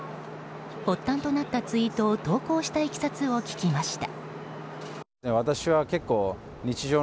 発端となったツイートを投稿したいきさつを聞きました。